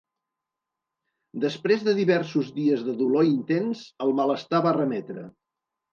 Després de diversos dies de dolor intens, el malestar va remetre.